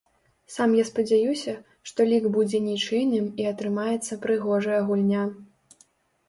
Сам я спадзяюся, што лік будзе нічыйным і атрымаецца прыгожая гульня.